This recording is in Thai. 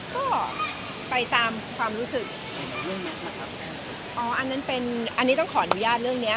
ก็ไปตามความรู้สึกอ๋ออันนั้นเป็นอันนี้ต้องขออนุญาตเรื่องเนี้ย